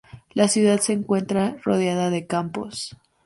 La ciudad se encuentra rodeada de campos.